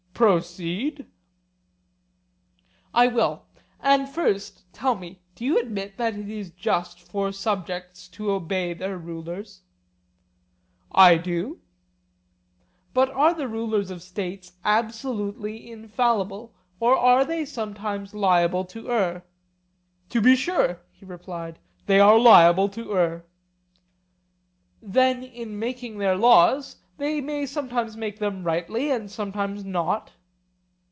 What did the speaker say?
Proceed. I will; and first tell me, Do you admit that it is just for subjects to obey their rulers? I do. But are the rulers of states absolutely infallible, or are they sometimes liable to err? To be sure, he replied, they are liable to err. Then in making their laws they may sometimes make them rightly, and sometimes not?